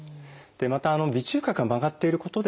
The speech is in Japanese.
また鼻中隔が曲がっていることでですね